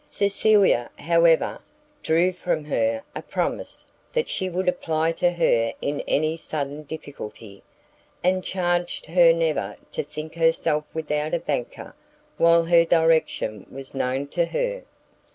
Cecilia, however, drew from her a promise that she would apply to her in any sudden difficulty, and charged her never to think herself without a banker while her direction was known to her.